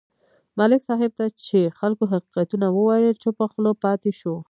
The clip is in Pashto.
ملک صاحب ته چې خلکو حقیقتونه وویل، چوپه خوله پاتې شو.